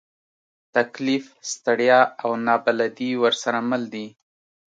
تکلیف، ستړیا، او نابلدي ورسره مل دي.